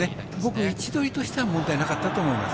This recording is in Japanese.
僕、位置取りとしては問題なかったと思います。